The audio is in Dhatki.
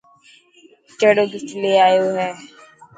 ڪهڙو گفٽ لي آيو هي.